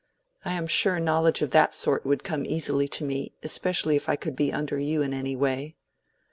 I am sure knowledge of that sort would come easily to me, especially if I could be under you in any way."